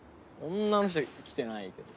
女の人来てないけど。